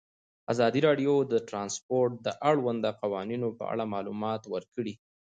ازادي راډیو د ترانسپورټ د اړونده قوانینو په اړه معلومات ورکړي.